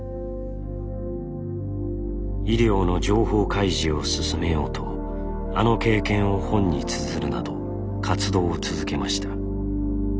医療の情報開示を進めようとあの経験を本につづるなど活動を続けました。